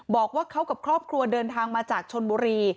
บอกว่าเขากับครอบครัวเดินทางมาจากชนบุรี